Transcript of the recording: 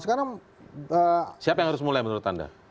sekarang siapa yang harus mulai menurut anda